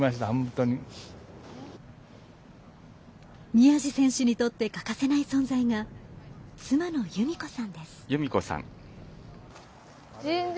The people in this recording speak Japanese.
宮路選手にとって欠かせない存在が妻の裕美子さんです。